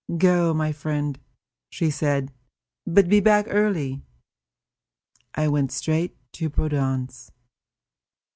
"Go, my friend," she said; "but be back early." I went straight to Prudence.